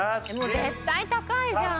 「絶対高いじゃん！」